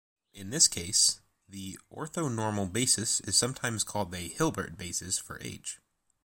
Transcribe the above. In this case, the orthonormal basis is sometimes called a Hilbert basis for "H".